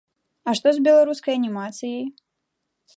А што з беларускай анімацыяй?